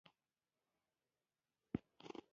خلقو له هغه څخه د مېړانې اتل جوړ کړى و.